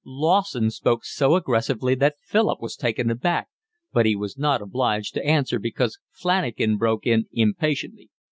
Lawson spoke so aggressively that Philip was taken aback, but he was not obliged to answer because Flanagan broke in impatiently.